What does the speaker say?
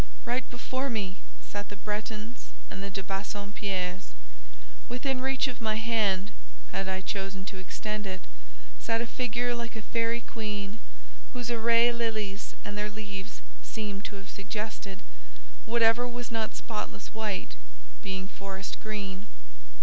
Right before me sat the Brettons and de Bassompierres. Within reach of my hand—had I chosen to extend it—sat a figure like a fairy queen, whose array, lilies and their leaves seemed to have suggested; whatever was not spotless white, being forest green.